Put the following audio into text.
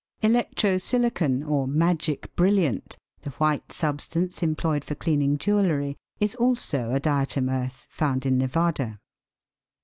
"Electro silicon" or "magic brilliant," the white sub stance employed for cleaning jewellery, is also a diatom earth found in Nevada.